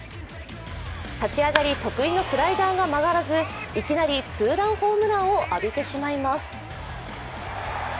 立ち上がり、得意のスライダーが曲がらずいきなりツーランホームランを浴びてしまいます。